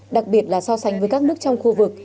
đặc biệt là so sánh với các nước trong khu vực